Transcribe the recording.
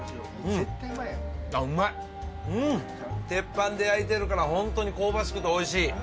鉄板で焼いてるからホントに香ばしくておいしい。